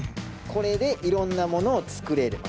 これでいろんなものを作れますね。